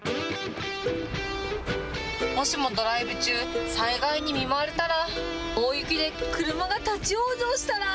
もしもドライブ中、災害に見舞われたら、大雪で車が立往生したら。